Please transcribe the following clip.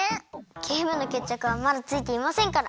ゲームのけっちゃくはまだついていませんから。